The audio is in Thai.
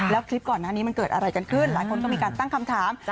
แล้วคลิปก่อนหน้านี้มันเกิดอะไรกันขึ้นหลายคนก็มีการตั้งคำถาม